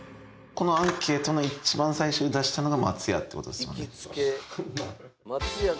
このアンケートの一番最初に出したのが松屋ってことですもんね。